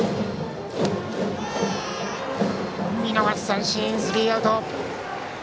見逃し三振、スリーアウト。